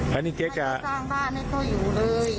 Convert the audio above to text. ตอนนี้เจ๊จะสร้างบ้านให้เขาอยู่เลย